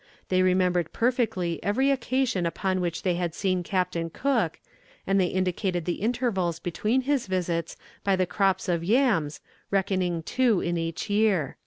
They remembered perfectly every occasion upon which they had seen Captain Cook, and they indicated the intervals between his visits by the crops of yams, reckoning two in each year."